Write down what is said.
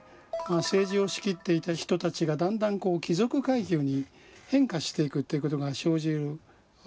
政治を仕切っていた人たちがだんだん貴族階級に変化していくということが生じるわけです。